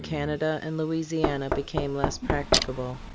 Canada and Louisiana be came less practicable."